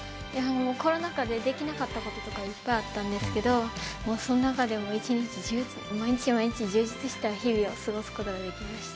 コロナ禍でできなかったこととかいっぱいあったんですけどその中でも毎日毎日充実した日々を過ごすことができました。